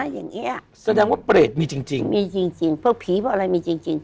อย่างเงี้ยแสดงว่าเปรตมีจริงจริงมีจริงจริงพวกผีบอกแล้วมีจริงจริง